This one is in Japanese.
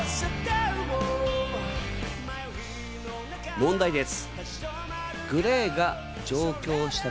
問題です。